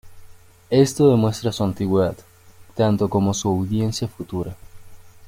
Esto demuestra su antigüedad, tanto como su audiencia futura.